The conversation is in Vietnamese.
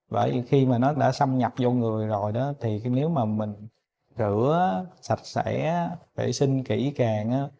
vậy khi mà nó đã xâm nhập vô người rồi đó thì nếu mà mình rửa sạch sẽ vệ sinh kỹ càng